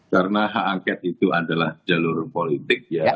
karena hak angket itu adalah jalur politik